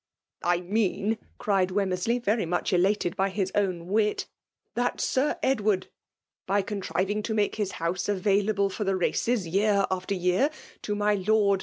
" I mean," cried Wemmersley, very much elated by his own wit, " that Sir Edward, by contriving to make his house available for the 39r FBMUiB DCUOKMIiam ■ ra/De»yeftr aftsr yenr, tomyloid.